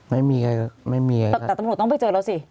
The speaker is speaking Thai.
ไม่มีใครไม่มีแต่ตำรวจต้องไปเจอแล้วสิ